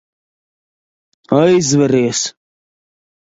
Aizveries.